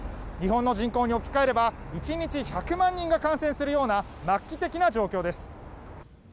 日本の人口に置き換えれば１日１００万人が感染するような末期的な状況です。